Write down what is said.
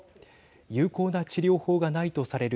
有効な治療法がないとされる